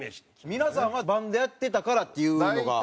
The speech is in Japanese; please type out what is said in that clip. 皆さんはバンドやってたからっていうのが？